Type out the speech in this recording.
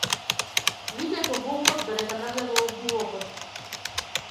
Викај по волкот, додека не влегол во булукот.